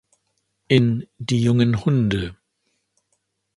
In „Die jungen Hunde.